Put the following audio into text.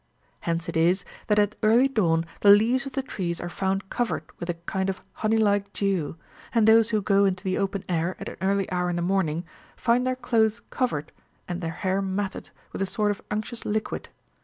Hence it is, that at early dawn the leaves of the trees are found covered with a kind of honey like dew, and those who go into the open air at an early hour in the morning, find their clothes covered, and their hair matted, with a sort of unctuous liquid.